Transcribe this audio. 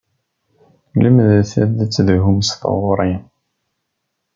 Lemdet ad tezhum s tɣuri.